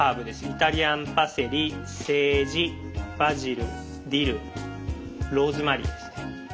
イタリアンパセリセージバジルディルローズマリーですね。